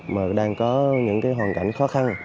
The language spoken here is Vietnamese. mà đang có những hoàn cảnh khó khăn